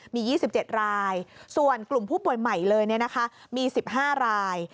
มี๒๗รายส่วนกลุ่มผู้ป่วยใหม่เลยมี๑๕ราย